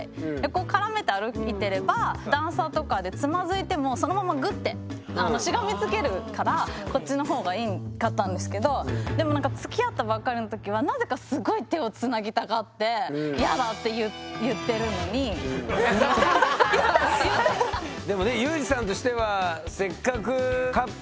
こう絡めて歩いてれば段差とかでつまずいてもそのままグッてしがみつけるからこっちの方がいいかったんですけどでもつきあったばっかりの時はなぜかすごい手をつなぎたがってでもね裕士さんとしてはせっかくカップルになったからね。